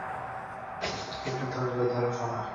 আর একটু ধৈর্য্য ধরো, সোনা।